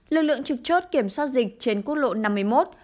lực lượng trực chốt kiểm soát dịch trên quốc lộ năm mươi một